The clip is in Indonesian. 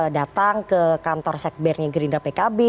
datang ke kantor sekbernya gerindra pkb